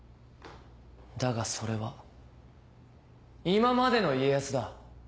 だがそれは今までの家康だ。